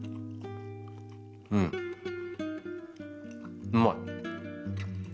うんうまい